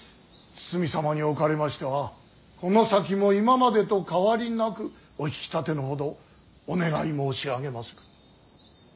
堤様におかれましてはこの先も今までと変わりなくお引き立てのほどお願い申し上げまする。